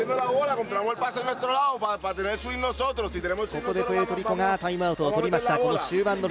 ここでプエルトリコがタイムアウトを取りました。